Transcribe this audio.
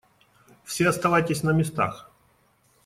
Все оставайтесь на местах.